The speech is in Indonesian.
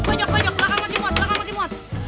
belakang masih muat